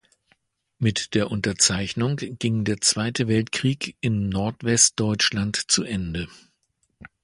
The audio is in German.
Mit der Unterzeichnung ging der Zweite Weltkrieg in Nordwestdeutschland zu Ende.